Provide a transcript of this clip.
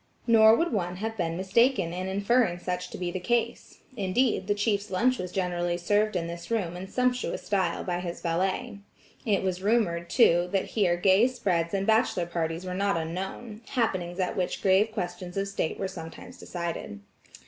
Nor would one have been mistaken in inferring such to be the case; indeed, the chief's lunch was generally served in this room in sumptuous style by his valet. It was rumored, too, that here gay spreads and bachelor parties were not unknown; happenings at which grave questions of state were sometimes decided.